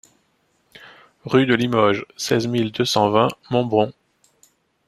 Rue de Limoges, seize mille deux cent vingt Montbron